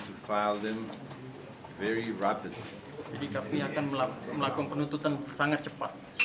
jadi kami akan melakukan penuntutan sangat cepat